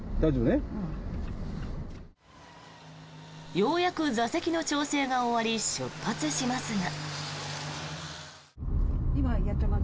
ようやく座席の調整が終わり出発しますが。